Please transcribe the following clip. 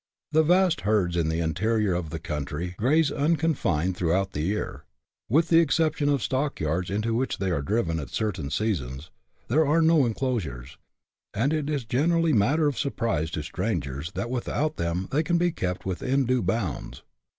The vast herds in the interior of the country graze uncon fined throughout the year. With the exception of stock yards, into which they are driven at certain seasons, there are no enclosures, and it is generally matter of surprise to strangers that without them they can be kept within due bounds.